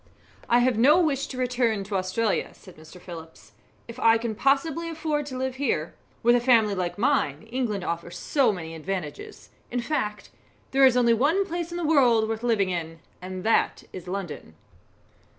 "I have no wish to return to Australia," said Mr. Phillips, "if I can possibly afford to live here. With a family like mine, England offers so many advantages. In fact, there is only one place in the world worth living in, and that is London."